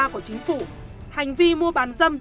của chính phủ hành vi mua bán dâm